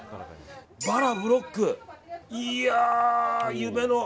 バラブロック、夢の！